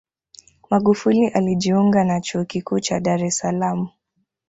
Magufuli alijiunga na Chuo Kikuu cha Dar es Salaam